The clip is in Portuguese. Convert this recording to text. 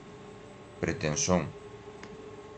pretensão